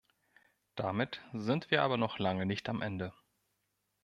Damit sind wir aber noch lange nicht am Ende.